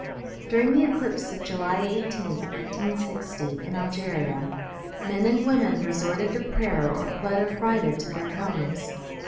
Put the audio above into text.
During the eclipse of July 18, 1860, in Algeria, men and women resorted to prayer or fled affrighted to their homes.